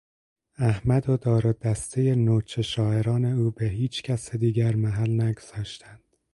احمد و دار و دستهی نوچه شاعران او به هیچکس دیگر محل نگذاشتند.